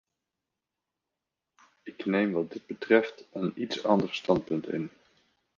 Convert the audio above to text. Ik neem wat dit betreft een iets ander standpunt in.